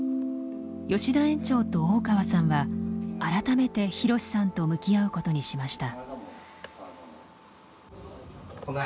吉田園長と大川さんは改めてひろしさんと向き合うことにしました。